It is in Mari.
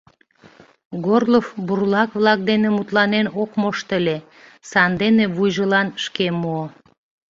Горлов бурлак-влак дене мутланен ок мошто ыле, сандене вуйжылан шке муо.